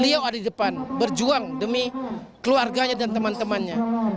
beliau ada di depan berjuang demi keluarganya dan teman temannya